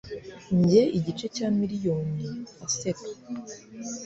njye igice cya miliyoni; aseka